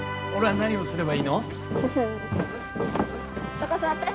そこ座って。